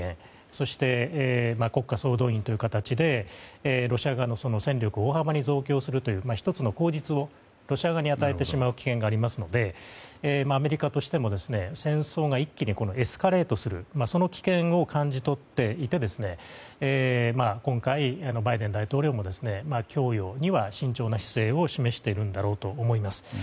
そして国家総動員という形でロシア側の戦力を大幅に増強するという１つの口実をロシア側に与えてしまう危険がありますのでアメリカとしても戦争が一気にエスカレートする危険を感じ取っていて今回、バイデン大統領も供与には慎重な姿勢を示しているのだと思います。